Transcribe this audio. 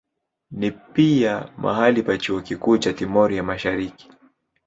Ni pia mahali pa chuo kikuu cha Timor ya Mashariki.